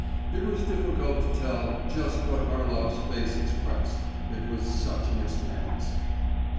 It was difficult to tell just what Harlov's face expressed, it was such an expanse.